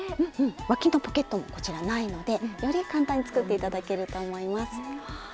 わきのポケットもこちらないのでより簡単に作って頂けると思います。